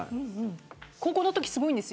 高校のとき、すごいんですよ。